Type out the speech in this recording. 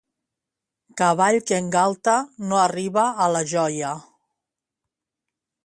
Cavall que engalta no arriba a la joia.